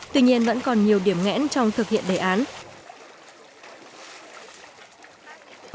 tuy nhiên vẫn còn nhiều điểm ngẽn trong thực hiện đề án